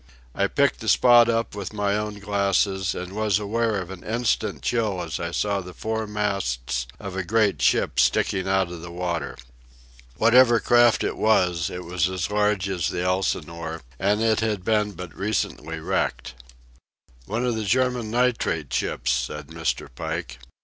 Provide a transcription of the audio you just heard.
I picked the spot up with my own glasses and was aware of an instant chill as I saw the four masts of a great ship sticking out of the water. Whatever craft it was, it was as large as the Elsinore, and it had been but recently wrecked. "One of the German nitrate ships," said Mr. Pike.